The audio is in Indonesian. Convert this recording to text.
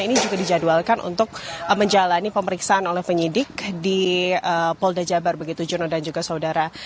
ini juga dijadwalkan untuk menjalani pemeriksaan oleh penyidik di polda jabar begitu jono dan juga saudara